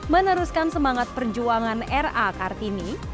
meneruskan semangat perjuangan r a kartini